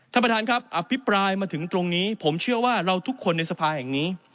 ท่านประธานครับอภิปรายมาถึงตรงนี้ผมเชื่อว่าเราทุกคนในสภาแห่งนี้